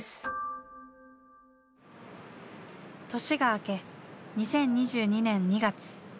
年が明け２０２２年２月。